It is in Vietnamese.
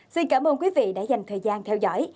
xin cảm ơn quý vị đã dành thời gian theo dõi